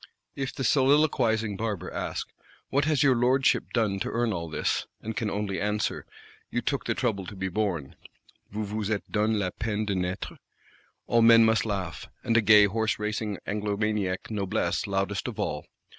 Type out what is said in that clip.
If the soliloquising Barber ask: 'What has your Lordship done to earn all this?' and can only answer: 'You took the trouble to be born (Vous vous êtes donné la peine de naître),' all men must laugh: and a gay horse racing Anglomaniac Noblesse loudest of all.